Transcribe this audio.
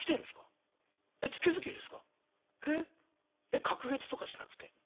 え隔月とかじゃなくて？